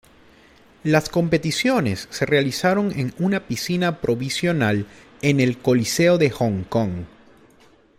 Las competiciones se realizaron en una piscina provisional en el Coliseo de Hong Kong.